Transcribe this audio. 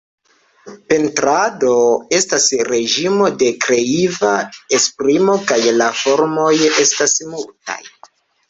Pentrado estas reĝimo de kreiva esprimo, kaj la formoj estas multaj.